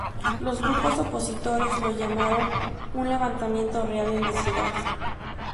Los grupos opositores lo llamaron un levantamiento real en la ciudad.